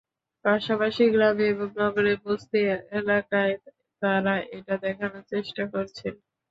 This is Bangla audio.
পাশাপাশি গ্রামে এবং নগরের বস্তি এলাকায় তাঁরা এটা দেখানোর চেষ্টা করছেন।